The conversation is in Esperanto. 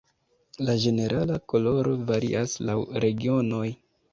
La ĝenerala koloro varias laŭ regionoj.